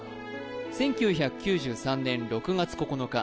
１９９３年６月９日